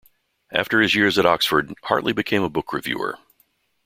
After his years at Oxford, Hartley became a book reviewer.